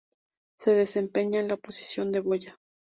Se desempeña en la posición de boya.